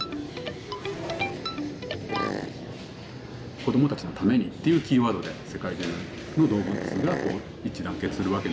「子どもたちのために」っていうキーワードで世界中の動物がこう一致団結するわけなんですけど。